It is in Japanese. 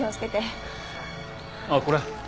ああこれ。